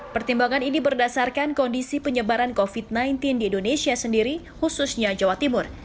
pertimbangan ini berdasarkan kondisi penyebaran covid sembilan belas di indonesia sendiri khususnya jawa timur